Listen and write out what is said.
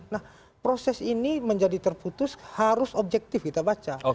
nah proses ini menjadi terputus harus objektif kita baca